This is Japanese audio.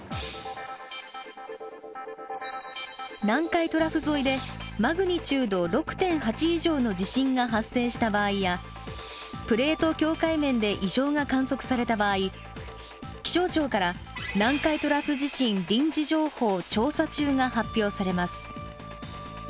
南海トラフ沿いでマグニチュード６．８以上の地震が発生した場合やプレート境界面で異常が観測された場合気象庁から「南海トラフ地震臨時情報」が発表されます。